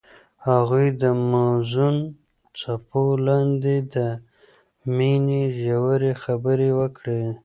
هغوی د موزون څپو لاندې د مینې ژورې خبرې وکړې.